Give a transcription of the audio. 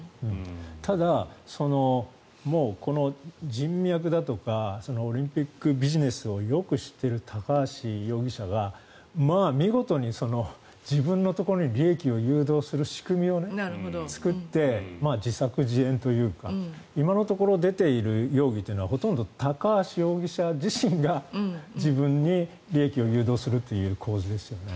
ただ、人脈だとかオリンピックビジネスをよく知っている高橋容疑者はまあ見事に自分のところに利益を誘導する仕組みを作って自作自演というか今のところ出ている容疑というのはほとんど高橋容疑者自身が自分に利益を誘導するという構図ですよね。